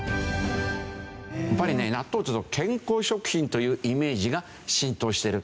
やっぱりね納豆というと健康食品というイメージが浸透してる。